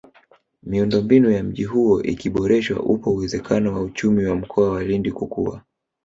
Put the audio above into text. Miundombinu ya mji huo ikiboreshwa upo uwezekano wa uchumi wa Mkoa wa Lindi kukua